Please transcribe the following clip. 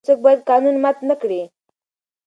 هیڅوک باید قانون مات نه کړي.